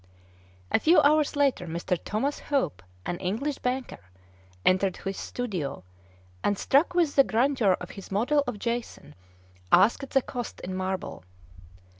A few hours later, Mr. Thomas Hope, an English banker, entered his studio, and, struck with the grandeur of his model of Jason, asked the cost in marble.